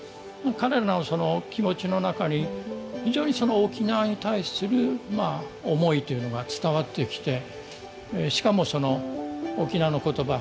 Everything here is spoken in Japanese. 彼らの気持ちの中に非常に沖縄に対する思いというのが伝わってきてしかもその沖縄の言葉